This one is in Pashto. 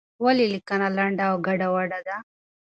ولې لیکنه لنډه او ګډوډه ده؟